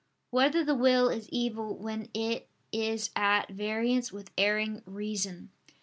5] Whether the Will Is Evil When It Is at Variance with Erring Reason?